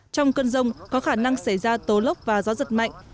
trong cơn rông có khả năng xảy ra tố lốc và gió giật mạnh